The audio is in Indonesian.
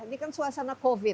ini kan suasana covid